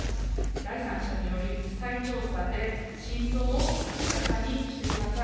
第三者による再調査で真相を明らかにしてください。